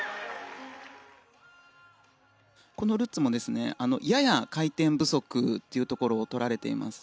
このルッツもやや回転不足というところをとられています。